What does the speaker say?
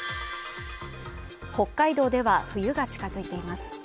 北海道では冬が近づいています